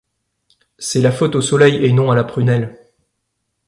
C’est la faute au soleil et non à la prunelle.